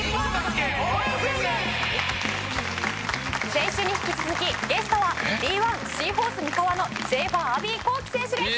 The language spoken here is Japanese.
先週に引き続きゲストはＢ１シーホース三河のシェーファーアヴィ幸樹選手です。